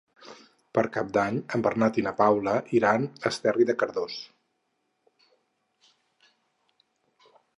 Per Cap d'Any en Bernat i na Paula iran a Esterri de Cardós.